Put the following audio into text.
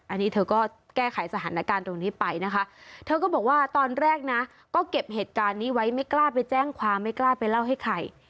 อันนี้เธอก็แก้ไขสถานการณ์ตรงนี้ไปนะคะเธอก็บอกว่าตอนแรกนะก็เก็บเหตุการณ์นี้ไว้ไม่กล้าไปแจ้งความไม่กล้าไปเล่าให้ใคร